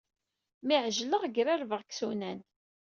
Mi ɛejleɣ, grarbeɣ deg yisunan.